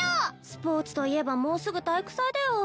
スポーツといえばもうすぐ体育祭だよ